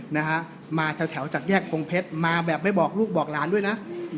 นะฮะมาแถวแถวจากแยกพงเพชรมาแบบไม่บอกลูกบอกหลานด้วยนะ